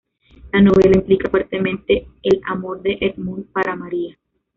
La novela implica fuertemente el amor de Edmund para Maria.